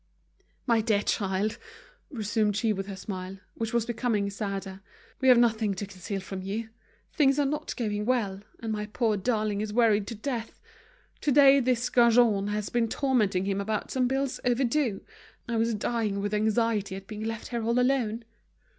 "My dear child," resumed she with her smile, which was becoming sadder, "we have nothing to conceal from you. Things are not going on well, and my poor darling is worried to death. Today this Gaujean has been tormenting him about some bills overdue. I was dying with anxiety at being left here all alone."